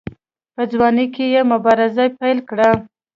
په ځوانۍ کې یې مبارزه پیل کړه.